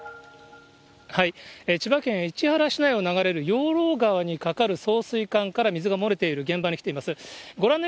千葉県市原市内を流れる養老川に架かる送水管から水が漏れている現場に来ています。